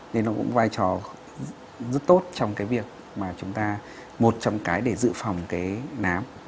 nên nó cũng vai trò rất tốt trong cái việc mà chúng ta một trong cái để dự phòng cái nám